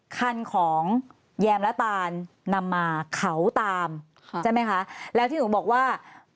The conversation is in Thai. คันของแยมและตานนำมาเขาตามใช่ไหมคะแล้วที่หนูบอกว่า